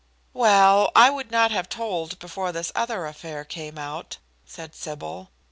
"Well, I would not have told before this other affair came out," said Sybil.